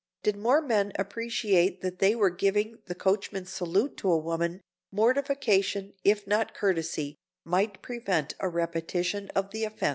Did more men appreciate that they were giving the "coachman's salute" to a woman, mortification, if not courtesy, might prevent a repetition of the offense.